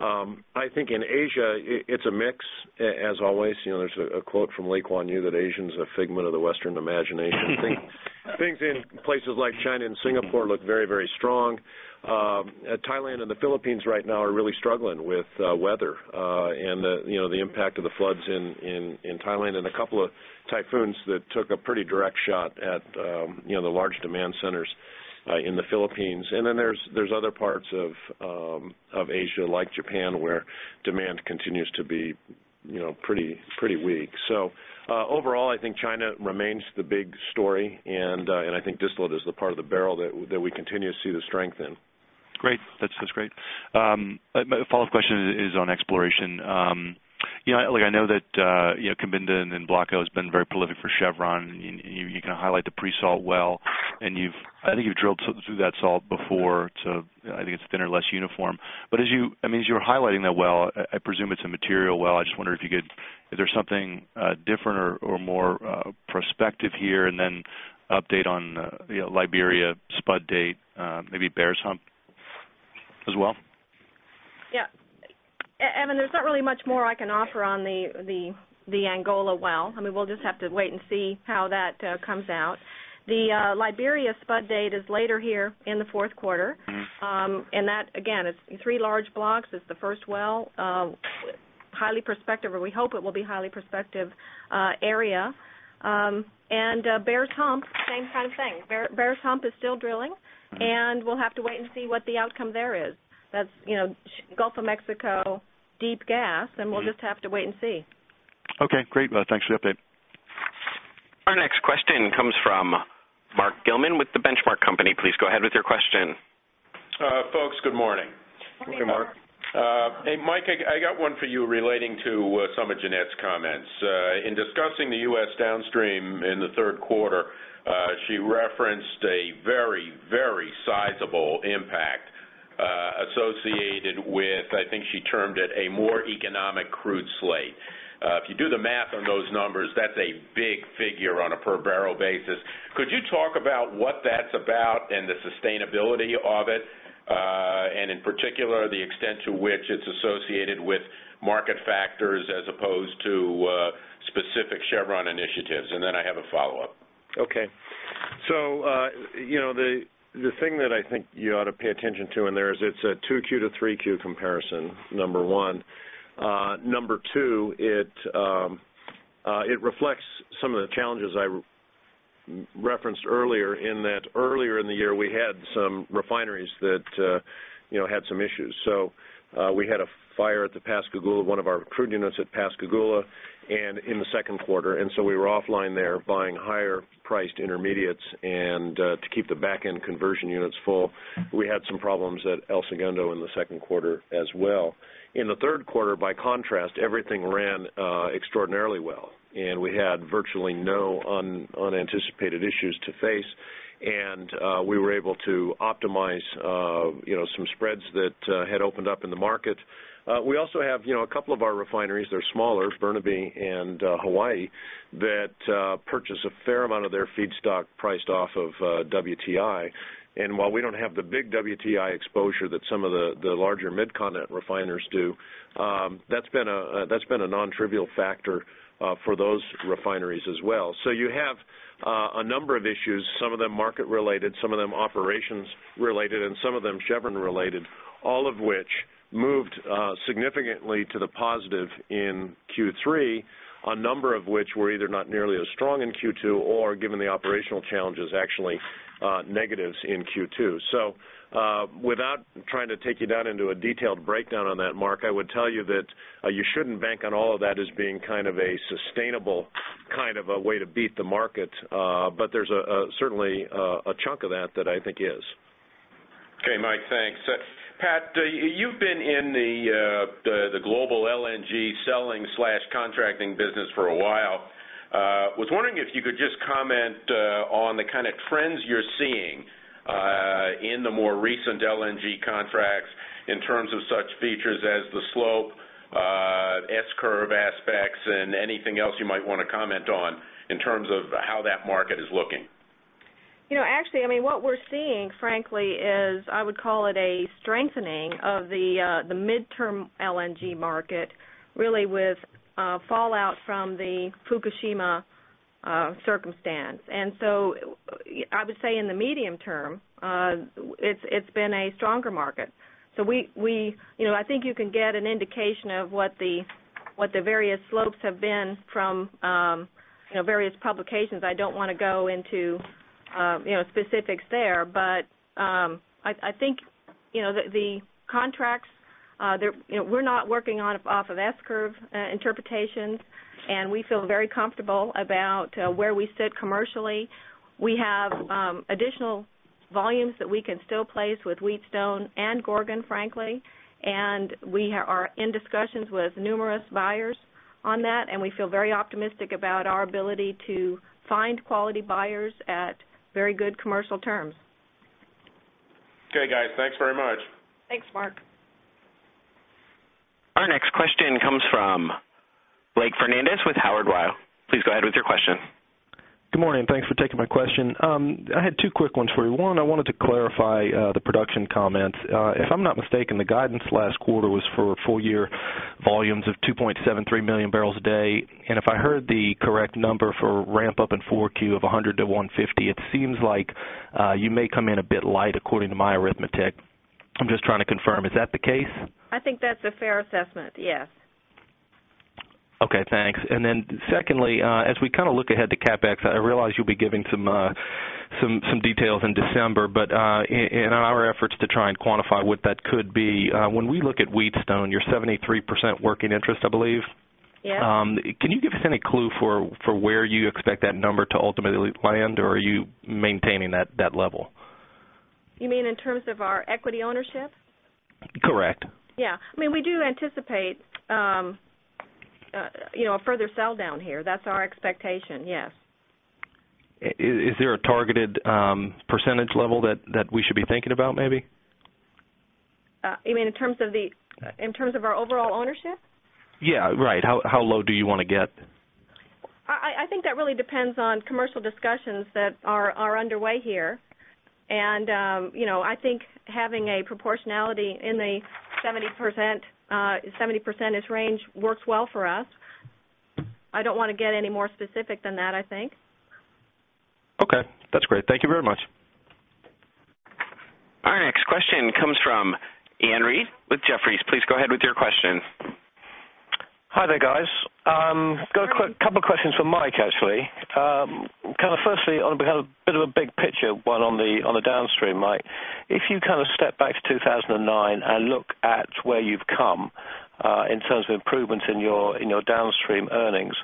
I think in Asia, it's a mix, as always. There's a quote from Lee Kuan Yew that Asians are a figment of the Western imagination. Things in places like China and Singapore look very, very strong. Thailand and the Philippines right now are really struggling with weather and the impact of the floods in Thailand and a couple of typhoons that took a pretty direct shot at the large demand centers in the Philippines. There are other parts of Asia, like Japan, where demand continues to be pretty weak. Overall, I think China remains the big story, and I think distillate is the part of the barrel that we continue to see the strength in. Great, that's great. My follow-up question is on exploration. I know that Kimbinda and then Block 0 has been very prolific for Chevron. You can highlight the pre-salt well, and I think you've drilled through that salt before too. I think it's thinner, less uniform. As you were highlighting that well, I presume it's a material well. I just wonder if you could, if there's something different or more prospective here, and then update on Liberia spud date, maybe Bear's Hump as well? Yeah, Evan, there's not really much more I can offer on the Angola well. We'll just have to wait and see how that comes out. The Liberia spud date is later here in the fourth quarter, and that, again, it's three large blocks. It's the first well, highly prospective, or we hope it will be a highly prospective area. Bear's Hump, same kind of thing. Bear's Hump is still drilling, and we'll have to wait and see what the outcome there is. That's Gulf of Mexico, deep gas, and we'll just have to wait and see. Okay, great. Thanks for the update. Our next question comes from Mark Gilman with The Benchmark Company. Please go ahead with your question. Folks, good morning. Morning, Mark. Hey, Mike, I got one for you relating to some of Jeanette's comments. In discussing the U.S. downstream in the third quarter, she referenced a very, very sizable impact associated with, I think she termed it a more economic crude slate. If you do the math on those numbers, that's a big figure on a per barrel basis. Could you talk about what that's about and the sustainability of it, and in particular, the extent to which it's associated with market factors as opposed to specific Chevron initiatives? I have a follow-up. The thing that I think you ought to pay attention to in there is it's a 2Q to 3Q comparison, number one. Number two, it reflects some of the challenges I referenced earlier in that earlier in the year, we had some refineries that had some issues. We had a fire at the Pascagoula, one of our crude units at Pascagoula, in the second quarter. We were offline there buying higher-priced intermediates, and to keep the back-end conversion units full, we had some problems at El Segundo in the second quarter as well. In the third quarter, by contrast, everything ran extraordinarily well, and we had virtually no unanticipated issues to face, and we were able to optimize some spreads that had opened up in the market. We also have a couple of our refineries, they're smaller, Burnaby and Hawaii, that purchase a fair amount of their feedstock priced off of WTI. While we don't have the big WTI exposure that some of the larger mid-continent refiners do, that's been a non-trivial factor for those refineries as well. You have a number of issues, some of them market-related, some of them operations-related, and some of them Chevron-related, all of which moved significantly to the positive in Q3, a number of which were either not nearly as strong in Q2 or, given the operational challenges, actually negatives in Q2. Without trying to take you down into a detailed breakdown on that, Mark, I would tell you that you shouldn't bank on all of that as being kind of a sustainable kind of a way to beat the market, but there's certainly a chunk of that that I think is. Mike, thanks. Pat, you've been in the global LNG selling/contracting business for a while. I was wondering if you could just comment on the kind of trends you're seeing in the more recent LNG contracts in terms of such features as the slope, S-curve aspects, and anything else you might want to comment on in terms of how that market is looking. Actually, what we're seeing, frankly, is I would call it a strengthening of the mid-term LNG market, really with fallout from the Fukushima circumstance. I would say in the medium term, it's been a stronger market. I think you can get an indication of what the various slopes have been from various publications. I don't want to go into specifics there, but I think the contracts, we're not working off of S-curve interpretations, and we feel very comfortable about where we sit commercially. We have additional volumes that we can still place with Wheatstone and Gorgon, frankly, and we are in discussions with numerous buyers on that, and we feel very optimistic about our ability to find quality buyers at very good commercial terms. Okay, guys, thanks very much. Thanks, Mark. Our next question comes from Blake Fernandez with Howard Weil. Please go ahead with your question. Good morning, thanks for taking my question. I had two quick ones for you. One, I wanted to clarify the production comments. If I'm not mistaken, the guidance last quarter was for full-year volumes of 2.73 million bbl per day, and if I heard the correct number for ramp-up in 4Q of 100 - 150, it seems like you may come in a bit light according to my arithmetic. I'm just trying to confirm, is that the case? I think that's a fair assessment, yes. Okay, thanks. Secondly, as we kind of look ahead to CapEx, I realize you'll be giving some details in December, but in our efforts to try and quantify what that could be, when we look at Wheatstone, you're 73% working interest, I believe. Yes. Can you give us any clue for where you expect that number to ultimately land, or are you maintaining that level? You mean in terms of our equity ownership? Correct. Yeah, I mean, we do anticipate a further sell down here. That's our expectation, yes. Is there a targeted % level that we should be thinking about, maybe? You mean in terms of our overall ownership? Yeah, right. How low do you want to get? I think that really depends on commercial discussions that are underway here. I think having a proportionality in the 70% range works well for us. I don't want to get any more specific than that, I think. Okay, that's great. Thank you very much. Our next question comes from Iain Reid with Jefferies. Please go ahead with your question. Hi there, guys. Got a couple of questions for Mike, actually. Firstly, I want to have a bit of a big picture one on the downstream, Mike. If you step back to 2009 and look at where you've come in terms of improvements in your downstream earnings,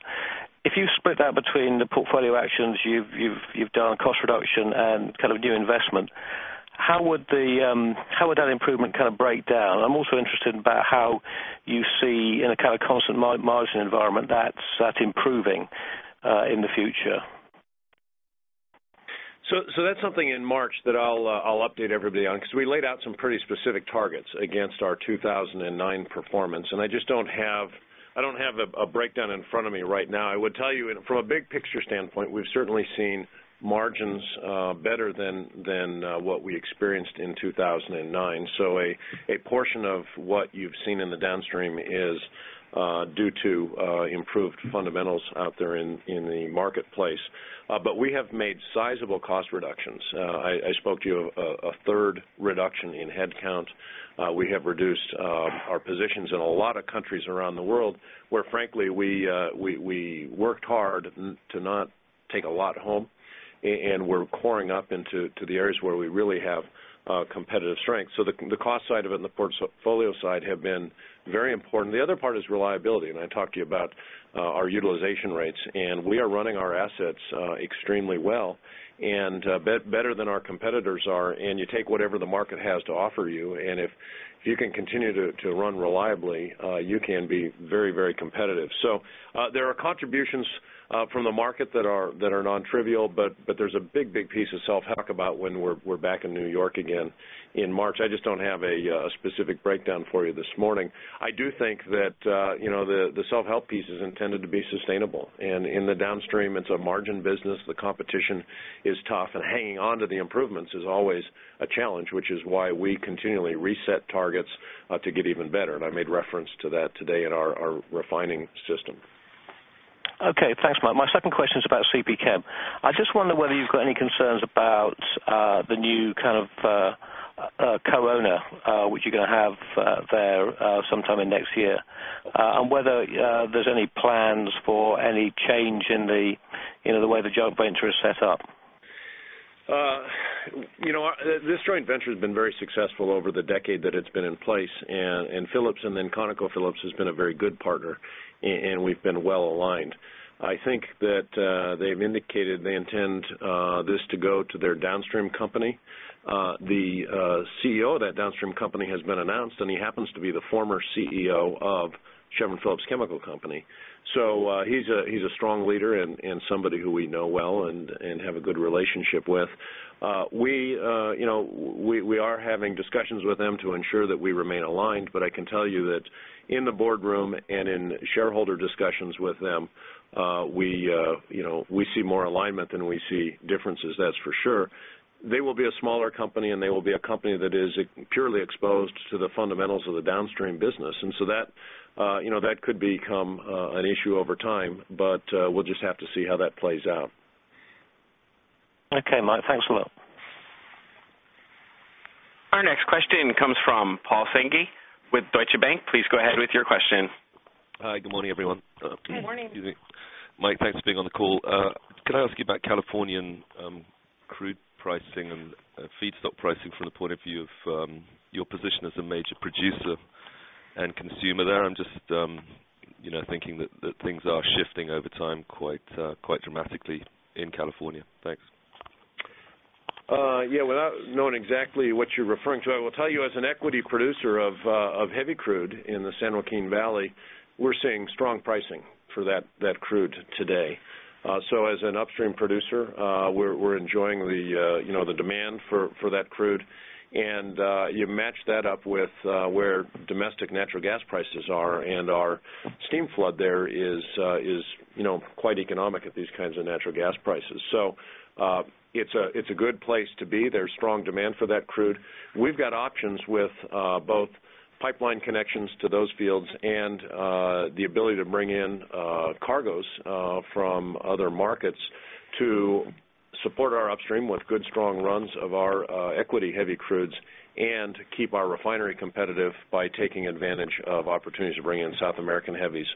if you split that between the portfolio actions you've done on cost reduction and new investment, how would that improvement break down? I'm also interested in how you see, in a constant margin environment, that improving in the future. That's something in March that I'll update everybody on, because we laid out some pretty specific targets against our 2009 performance, and I just don't have a breakdown in front of me right now. I would tell you, from a big picture standpoint, we've certainly seen margins better than what we experienced in 2009. A portion of what you've seen in the downstream is due to improved fundamentals out there in the marketplace. We have made sizable cost reductions. I spoke to you, a third reduction in headcount. We have reduced our positions in a lot of countries around the world where, frankly, we worked hard to not take a lot home, and we're coring up into the areas where we really have competitive strength. The cost side of it and the portfolio side have been very important. The other part is reliability, and I talked to you about our utilization rates, and we are running our assets extremely well and better than our competitors are. You take whatever the market has to offer you, and if you can continue to run reliably, you can be very, very competitive. There are contributions from the market that are non-trivial, but there's a big, big piece of self-help about when we're back in New York again in March. I just don't have a specific breakdown for you this morning. I do think that the self-help piece is intended to be sustainable. In the downstream, it's a margin business. The competition is tough, and hanging on to the improvements is always a challenge, which is why we continually reset targets to get even better. I made reference to that today in our refining system. Okay, thanks, Mike. My second question is about CPChem. I just wonder whether you've got any concerns about the new kind of co-owner which you're going to have there sometime in next year and whether there's any plans for any change in the way the joint venture is set up. This joint venture has been very successful over the decade that it's been in place, and Phillips and then ConocoPhillips has been a very good partner, and we've been well aligned. I think that they've indicated they intend this to go to their downstream company. The CEO of that downstream company has been announced, and he happens to be the former CEO of Chevron Phillips Chemical Company. He's a strong leader and somebody who we know well and have a good relationship with. We are having discussions with them to ensure that we remain aligned, but I can tell you that in the boardroom and in shareholder discussions with them, we see more alignment than we see differences, that's for sure. They will be a smaller company, and they will be a company that is purely exposed to the fundamentals of the downstream business. That could become an issue over time, but we'll just have to see how that plays out. Okay, Mike, thanks a lot. Our next question comes from Paul Sankey with Deutsche Bank. Please go ahead with your question. Hi, good morning, everyone. Good morning. Excuse me. Mike, thanks for being on the call. Can I ask you about Californian crude pricing and feedstock pricing from the point of view of your position as a major producer and consumer there? I'm just thinking that things are shifting over time quite dramatically in California. Thanks. Yeah, without knowing exactly what you're referring to, I will tell you as an equity producer of heavy crude in the San Joaquin Valley, we're seeing strong pricing for that crude today. As an upstream producer, we're enjoying the demand for that crude, and you match that up with where domestic natural gas prices are, and our steam flood there is quite economic at these kinds of natural gas prices. It's a good place to be. There's strong demand for that crude. We've got options with both pipeline connections to those fields and the ability to bring in cargoes from other markets to support our upstream with good strong runs of our equity heavy crudes and keep our refinery competitive by taking advantage of opportunities to bring in South American heavies,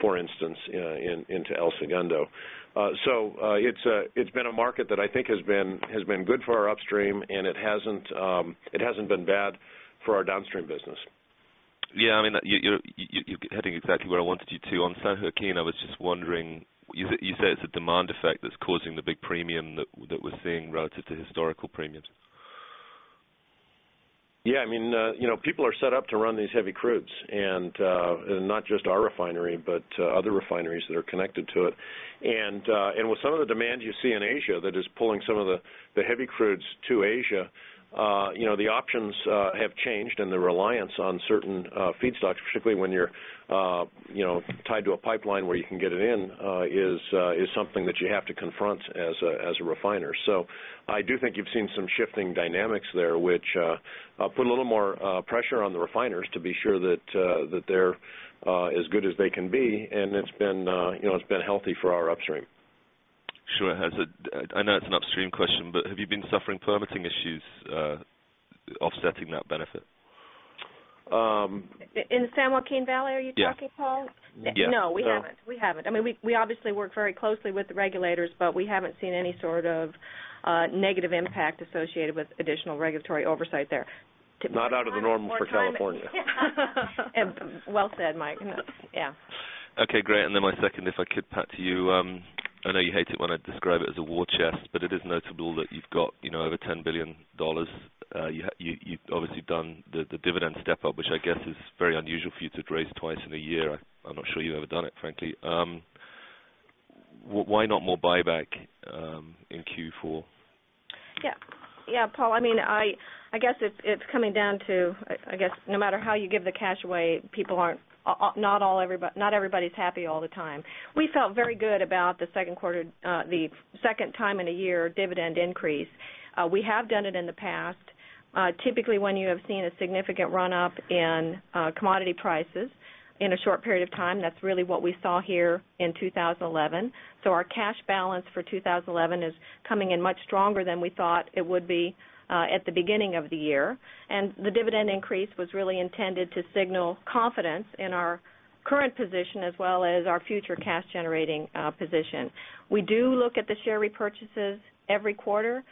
for instance, into El Segundo. It's been a market that I think has been good for our upstream, and it hasn't been bad for our downstream business. Yeah, I mean, you're heading exactly where I wanted you to. On San Joaquin, I was just wondering, you said it's a demand effect that's causing the big premium that we're seeing relative to historical premiums. Yeah, I mean, people are set up to run these heavy crudes, and not just our refinery, but other refineries that are connected to it. With some of the demand you see in Asia that is pulling some of the heavy crudes to Asia, the options have changed, and the reliance on certain feedstocks, particularly when you're tied to a pipeline where you can get it in, is something that you have to confront as a refiner. I do think you've seen some shifting dynamics there, which put a little more pressure on the refiners to be sure that they're as good as they can be, and it's been healthy for our upstream. Sure, I know it's an upstream question, but have you been suffering permitting issues offsetting that benefit? In the San Joaquin Valley, are you talking, Paul? Yes. No, we haven't. I mean, we obviously work very closely with the regulators, but we haven't seen any sort of negative impact associated with additional regulatory oversight there. Not out of the normal for California. Well said, Mike. Yeah. Okay, great. My second, if I could, Pat, to you. I know you hate it when I describe it as a war chest, but it is notable that you've got over $10 billion. You've obviously done the dividend step-up, which I guess is very unusual for you to raise twice in a year. I'm not sure you've ever done it, frankly. Why not more buyback in Q4? Yeah, Paul. I mean, I guess it's coming down to, no matter how you give the cash away, people aren't, not everybody's happy all the time. We felt very good about the second quarter, the second time in a year dividend increase. We have done it in the past. Typically, when you have seen a significant run-up in commodity prices in a short period of time, that's really what we saw here in 2011. Our cash balance for 2011 is coming in much stronger than we thought it would be at the beginning of the year. The dividend increase was really intended to signal confidence in our current position as well as our future cash-generating position. We do look at the share repurchases every quarter.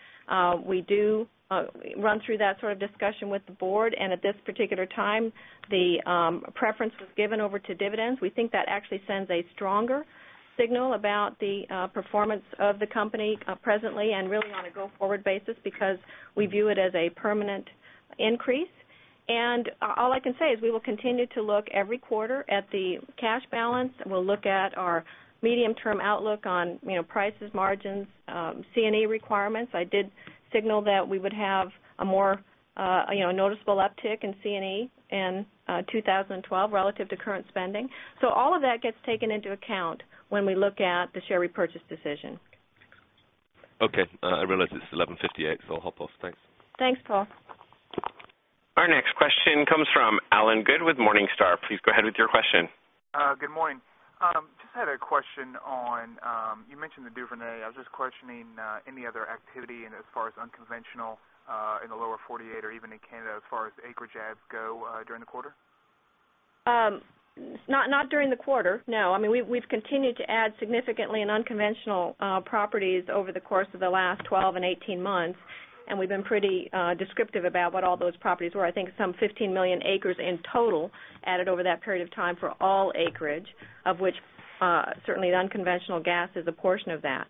We do run through that sort of discussion with the board, and at this particular time, the preference was given over to dividends. We think that actually sends a stronger signal about the performance of the company presently and really on a go-forward basis because we view it as a permanent increase. All I can say is we will continue to look every quarter at the cash balance. We'll look at our medium-term outlook on, you know, prices, margins, C&E requirements. I did signal that we would have a more, you know, noticeable uptick in C&E in 2012 relative to current spending. All of that gets taken into account when we look at the share repurchase decision. Okay, I realize it's 11:58 A.M., so I'll hop off. Thanks. Thanks, Paul. Our next question comes from Allen Good with Morningstar. Please go ahead with your question. Good morning. Just had a question on, you mentioned the Duvernay. I was just questioning any other activity as far as unconventional in the lower 48 or even in Canada as far as acreage adds go during the quarter? Not during the quarter, no. We've continued to add significantly in unconventional properties over the course of the last 12 and 18 months, and we've been pretty descriptive about what all those properties were. I think some 15 million acres in total added over that period of time for all acreage, of which certainly the unconventional gas is a portion of that.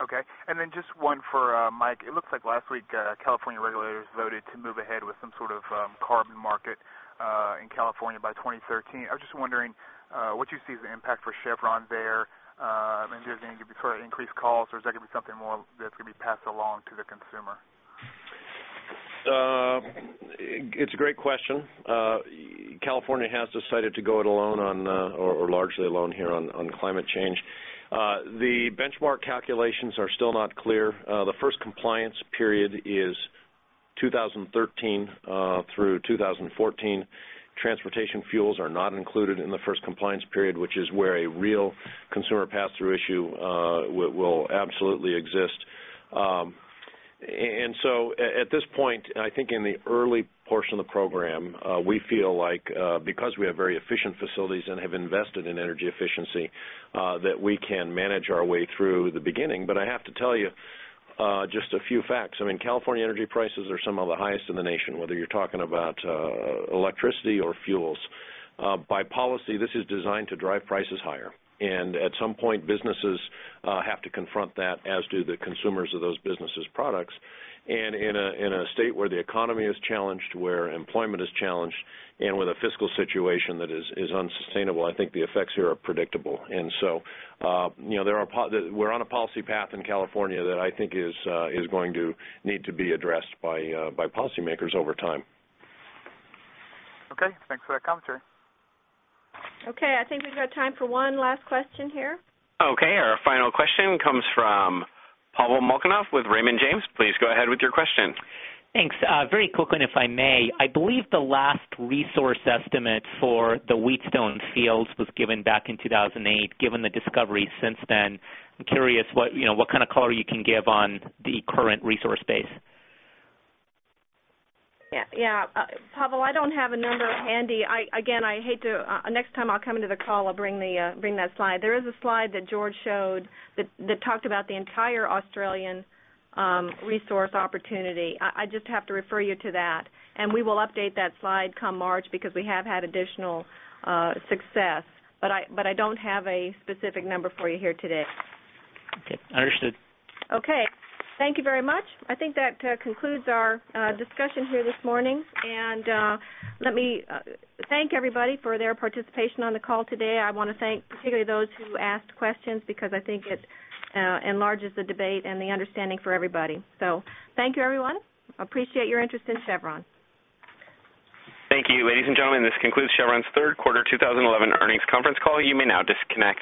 Okay, and then just one for Mike. It looks like last week California regulators voted to move ahead with some sort of carbon market in California by 2013. I was just wondering what you see as the impact for Chevron there. I mean, does there need to be sort of increased costs, or is that going to be something more that's going to be passed along to the consumer? It's a great question. California has decided to go it alone on, or largely alone here on, climate change. The benchmark calculations are still not clear. The first compliance period is 2013 through 2014. Transportation fuels are not included in the first compliance period, which is where a real consumer pass-through issue will absolutely exist. At this point, I think in the early portion of the program, we feel like because we have very efficient facilities and have invested in energy efficiency, we can manage our way through the beginning. I have to tell you just a few facts. California energy prices are some of the highest in the nation, whether you're talking about electricity or fuels. By policy, this is designed to drive prices higher. At some point, businesses have to confront that, as do the consumers of those businesses' products. In a state where the economy is challenged, where employment is challenged, and with a fiscal situation that is unsustainable, I think the effects here are predictable. We're on a policy path in California that I think is going to need to be addressed by policymakers over time. Okay, thanks for that commentary. Okay, I think we've got time for one last question here. Okay, our final question comes from Pavel Molchanov with Raymond James. Please go ahead with your question. Thanks. Very quickly, if I may, I believe the last resource estimate for the Wheatstone fields was given back in 2008. Given the discoveries since then, I'm curious what, you know, what kind of color you can give on the current resource base. Yeah, yeah. Pavel, I don't have a number handy. I hate to, next time I'll come into the call, I'll bring that slide. There is a slide that George showed that talked about the entire Australian resource opportunity. I just have to refer you to that. We will update that slide come March because we have had additional success. I don't have a specific number for you here today. Okay, understood. Okay, thank you very much. I think that concludes our discussion here this morning. Let me thank everybody for their participation on the call today. I want to thank particularly those who asked questions because I think it enlarges the debate and the understanding for everybody. Thank you, everyone. Appreciate your interest in Chevron. Thank you, ladies and gentlemen. This concludes Chevron Corporation's Third Quarter 2011 Earnings Conference Call. You may now disconnect.